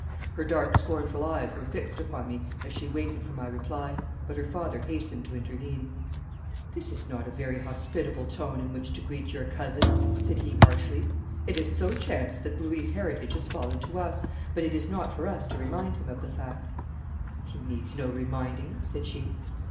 Her dark scornful eyes were fixed upon me as she waited for my reply, but her father hastened to intervene. 'This is not a very hospitable tone in which to greet your cousin,' said he harshly. 'It has so chanced that Louis' heritage has fallen to us, but it is not for us to remind him of the fact.' 'He needs no reminding,' said she.